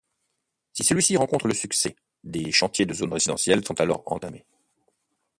Si celui-ci rencontre le succès, des chantiers de zones résidentielles sont alors entamés.